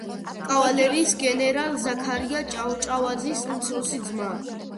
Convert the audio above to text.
კავალერიის გენერალ ზაქარია ჭავჭავაძის უმცროსი ძმა.